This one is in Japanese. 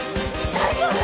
大丈夫？